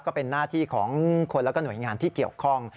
ก็เป็นหน้าที่ของคนแล้วก็หน่วยงานที่เกี่ยวข้อง